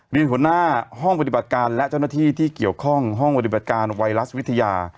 หัวหน้าห้องปฏิบัติการและเจ้าหน้าที่ที่เกี่ยวข้องห้องปฏิบัติการไวรัสวิทยา